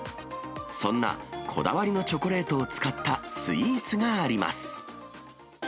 そんなこだわりのチョコレートを使ったスイーツがあります。